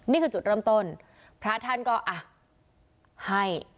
นี่คือจุดเริ่มต้นพระท่านก็อ่ะให้